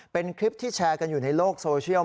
เป็นคลิปที่แชร์กันอยู่ในโลกโซเชียล